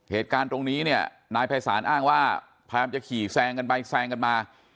เหตุการณ์ตรงนี้เนี่ยนายภัยศาลอ้างว่าพยายามจะขี่แซงกันไปแซงกันมา